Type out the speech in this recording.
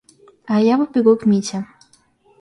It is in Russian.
А я побегу к Мите.